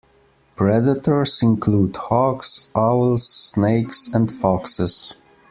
Predators include hawks, owls, snakes, and foxes.